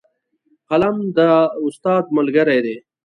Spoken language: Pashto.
قلم د استاد ملګری دی